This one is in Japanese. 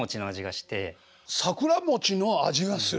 桜餅の味がする？